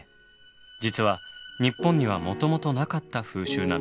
実は日本にはもともとなかった風習なのです。